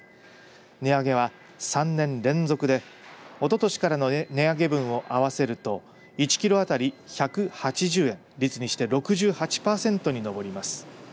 値上げは３年連続でおととしからの値上げ分を合わせると１キロ当たり１８０円率にして６８パーセントに上ります。